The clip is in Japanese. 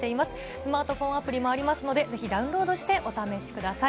スマートフォンアプリもありますので、ぜひダウンロードしてお楽しみください。